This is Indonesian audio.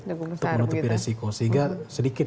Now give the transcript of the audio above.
untuk menutupi resiko sehingga sedikit